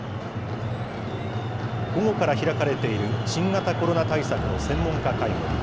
午後から開かれている、新型コロナ対策の専門家会合。